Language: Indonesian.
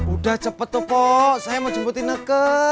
udah cepet tuh pok saya mau jemputin ineke